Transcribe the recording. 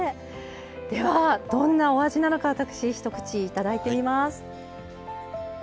ではどんなお味なのか私一口いただいてみます。